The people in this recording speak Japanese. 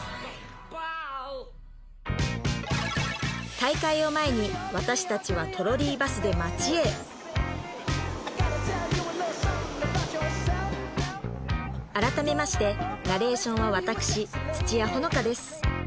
大会を前に私達はトロリーバスで街へ改めましてナレーションは私土屋炎伽です